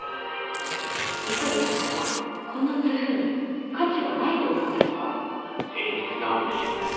磯部様はこの図譜に価値がないとお思いですか？